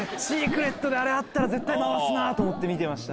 であれあったら絶対回すなと思って見てました。